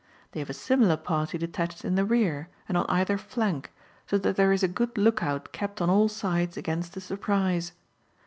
They have a similar party de tached in the rear, and on either flank, so that there is a good look out kept on all sides against a surprise.